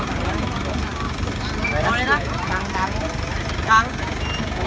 สวัสดีครับทุกคน